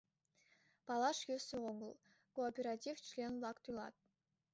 Палаш йӧсӧ огыл: кооператив член-влак тӱлат.